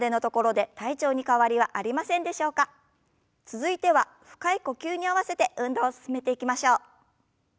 続いては深い呼吸に合わせて運動を進めていきましょう。